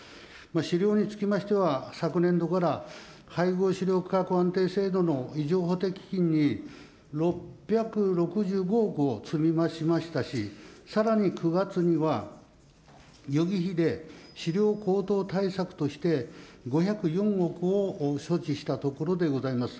飼料につきましては、昨年度から、配合飼料価格安定制度のいじょう補填基金に６６５億を積み増しましたし、さらに９月には予備費で飼料高騰対策として５０４億を措置したところでございます。